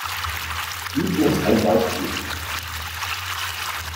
Gib uns ein Beispiel!